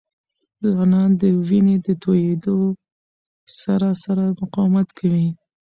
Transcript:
ځوانان د وینې د تویېدو سره سره مقاومت کوي.